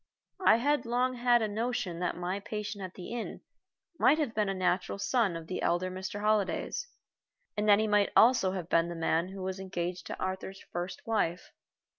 I had long had a notion that my patient at the inn might have been a natural son of the elder Mr. Holliday's, and that he might also have been the man who was engaged to Arthur's first wife.